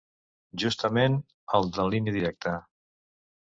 Justament el de línia directa.